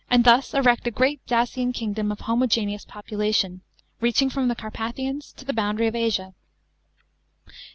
thus erect a great Dacian kingdom of homogeneous population, reach ing from the Carpathians to the boundary of Asia.